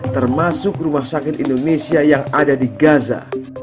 termasuk rumah sakit indonesia yang ada di gaza